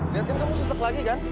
liatin kamu sesek lagi kan